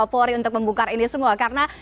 polri untuk membongkar ini semua karena